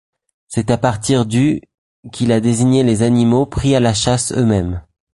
C'est à partir du qu'il a désigné les animaux pris à la chasse eux-mêmes.